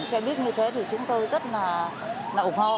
xe buýt như thế thì chúng tôi rất là ủng hộ